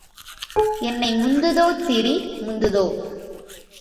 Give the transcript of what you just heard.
எண்ணை முந்துதோ திரி முந்துதோ?